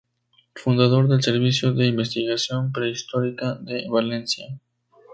Fundador del Servicio de Investigación Prehistórica de Valencia.